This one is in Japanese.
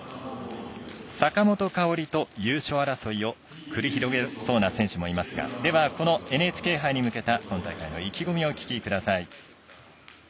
坂本花織と優勝争いを繰り広げそうな選手もいますがでは、ＮＨＫ杯に向けた今大会の意気込みをお聞きください。